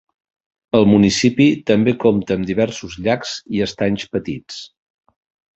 El municipi també compta amb diversos llacs i estanys petits.